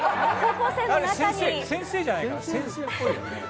あれ、先生じゃないかな、先生っぽいよね。